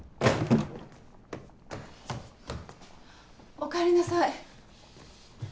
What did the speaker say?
・・おかえりなさい。